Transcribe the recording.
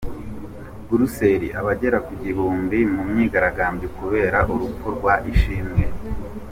Buruseli Abagera kugihumbi mu myigaragambyo kubera urupfu rwa Ishimwe